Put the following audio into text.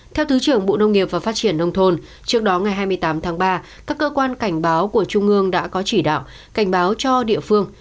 theo thứ trưởng bộ nông nghiệp và phát triển nông thôn trước đó ngày hai mươi tám tháng ba các cơ quan cảnh báo của trung ương đã có chỉ đạo cảnh báo cho địa phương